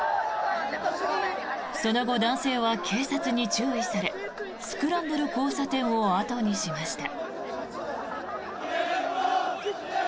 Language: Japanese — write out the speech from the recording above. その後、男性は警察に注意されスクランブル交差点を後にしました。